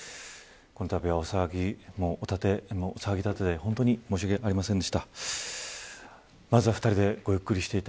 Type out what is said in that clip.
このたびは騒ぎ立てて本当に申し訳ありませんでした。